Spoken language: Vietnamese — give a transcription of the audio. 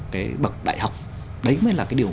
cái bậc đại học đấy mới là cái điều